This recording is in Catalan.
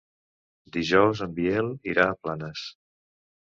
Dijous en Biel irà a Planes.